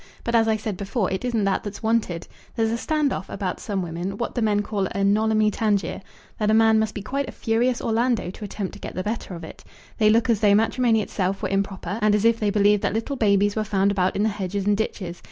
But, as I said before, it isn't that that's wanted. There's a stand off about some women, what the men call a 'nollimy tangere,' that a man must be quite a furious Orlando to attempt to get the better of it. They look as though matrimony itself were improper, and as if they believed that little babies were found about in the hedges and ditches.